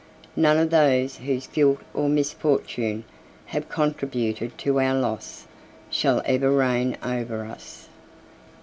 None of those whose guilt or misfortune have contributed to our loss, shall ever reign over us."